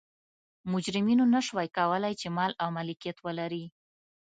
مجرمینو نه شوای کولای چې مال او ملکیت ولري.